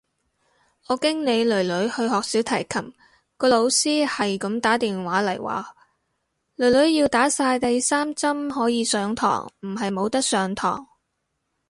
我經理囡囡去學小提琴，個老師係咁打電話嚟話，囡囡要打晒第三針可以上堂，唔係冇得上堂。